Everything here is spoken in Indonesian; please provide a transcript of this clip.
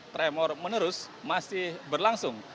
tremor menerus masih berlangsung